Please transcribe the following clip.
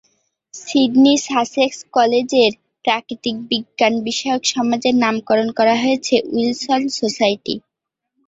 Sydney Sussex কলেজের প্রাকৃতিক বিজ্ঞান বিষয়ক সমাজের নামকরণ করা হয়েছে উইলসন সোসাইটি।